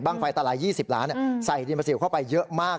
บ้างไฟตลาย๒๐ล้านใส่ดินประสิวเข้าไปเยอะมาก